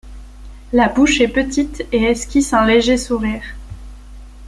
La bouche est petite et esquisse un léger sourire.